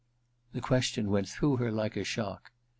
* The question went through her like a shock.